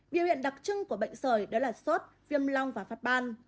việc hiện đặc trưng của bệnh sời đó là sốt viêm long và phát ban